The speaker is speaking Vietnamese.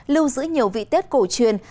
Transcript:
lưu giữ nhiều vị tết cổ truyền